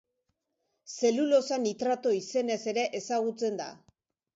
Zelulosa nitrato izenez ere ezagutzen da.